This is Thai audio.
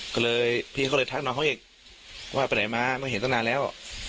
ก็เลยพี่เขาเลยทักน้องเขาอีกว่าไปไหนมาไม่เห็นตั้งนานแล้ว